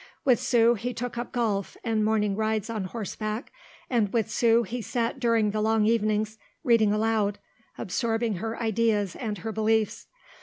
With Sue he took up golf and morning rides on horseback, and with Sue he sat during the long evenings, reading aloud, absorbing her ideas and her beliefs.